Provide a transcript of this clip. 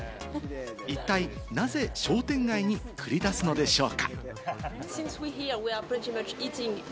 一体なぜ商店街に繰り出すのでしょうか？